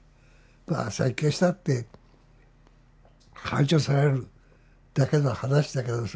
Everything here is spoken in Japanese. まあ占拠したって排除されるだけの話だけどさ